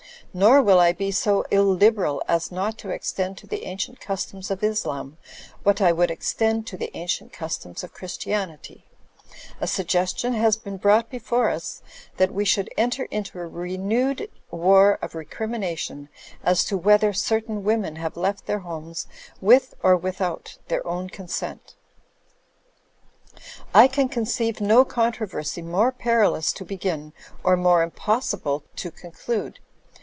Nor will I be so illiberal as not to extend to the ancient customs of Islam what I would extend to the ancient customs of Christianity. A sug gestion has been brought before us that we should enter into a renewed war of recrimination as to wheth er certain women have left their homes with or witb u,y,uz«u by Google THE END OF OLIVE ISLAND 27 out their own consent. I can conceive no controversy more perilous to begin or more impossible to conclude.